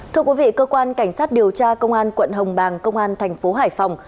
thưa quý vị cơ quan cảnh sát điều tra công an quận hồng bàng công an thành phố hải phòng